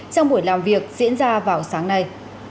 trong buổi làm việc diễn ra vào sáng nay